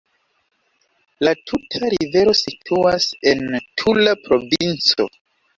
La tuta rivero situas en Tula provinco.